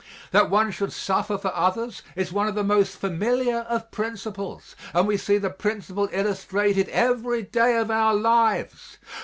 That one should suffer for others is one of the most familiar of principles and we see the principle illustrated every day of our lives.